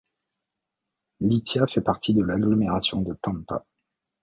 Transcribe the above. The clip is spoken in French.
Lithia fait partie de l'agglomération de Tampa.